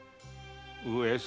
上様！